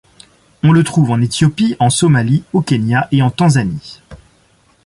On le trouve en Éthiopie, en Somalie, au Kenya et en Tanzanie.